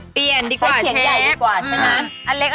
เปียนดีกว่าเชฟใช้เถียงใหญ่ดีกว่าใช่ไหมแบบนั้น